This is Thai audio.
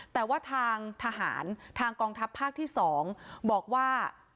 แต่ว่าทางทหารทางกองทัพภาคที่๒บอกว่า